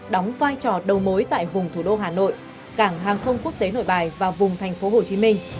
đóng vai trò đầu mối tại vùng thủ đô hà nội cảng hàng không quốc tế nội bài và vùng thành phố hồ chí minh